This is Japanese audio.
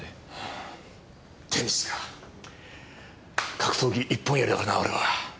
格闘技一本やりだからな俺は。